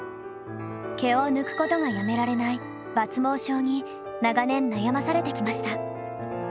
毛を抜くことがやめられない抜毛症に長年悩まされてきました。